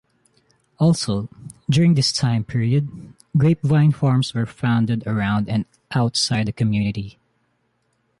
Also during this time period, grapevine farms were founded around and outside the community.